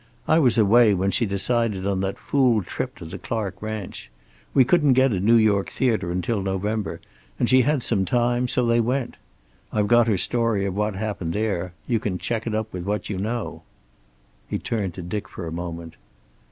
I was away when she decided on that fool trip to the Clark ranch. We couldn't get a New York theater until November, and she had some time, so they went. I've got her story of what happened there. You can check it up with what you know." He turned to Dick for a moment.